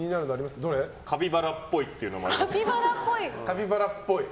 カピバラっぽいっていうのもありますよ。